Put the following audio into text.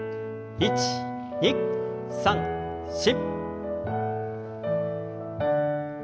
１２３４。